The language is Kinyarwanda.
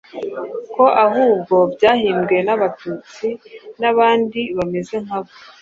ko ahubwo byahimbwe n'Abatutsi n'abandi bameze nkabo.